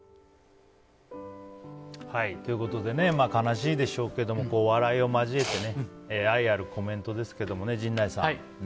悲しいでしょうけども笑いを交えてね愛あるコメントですけれども陣内さん。